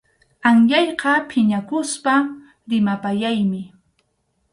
Anyayqa phiñakuspa rimapayaymi.